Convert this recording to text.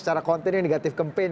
ada konten yang negatif kempen